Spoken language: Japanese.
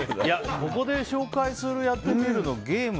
ここで紹介する「やってみる。」のゲーム